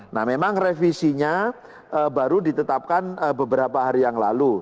nah memang revisinya baru ditetapkan beberapa hari yang lalu